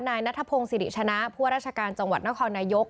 นายนัทพงศิริชนะผู้ว่าราชการจังหวัดนครนายก